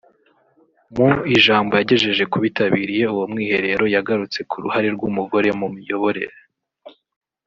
mu ijambo yagejeje ku bitabiriye uwo mwiherero yagarutse ku ruhare rw’umugore mu miyoborere